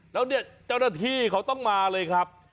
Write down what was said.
แล้วเนี๊ยะจ้าวนาธิของเขาต้องมาเลยครับ